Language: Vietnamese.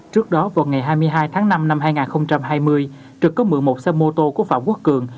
trước đó vào ngày hai mươi hai tháng năm năm hai nghìn hai mươi trực có một mươi một xe mô tô của phạm quốc cường